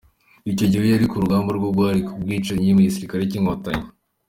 Icyo gihe, we yari ku rugamba rwo guhagarika ubu bwicanyi mu gisirikare cy’Inkotanyi.